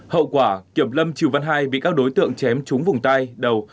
hậu quả kiểm lâm triều văn hai bị các đối tượng chém trúng vùng tay đầu